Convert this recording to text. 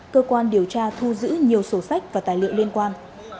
cơ quan điều tra thu giữ nhiều sổ sách và tài liệu liên quan